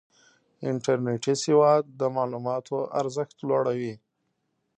انټرنېټي سواد د معلوماتو ارزښت لوړوي.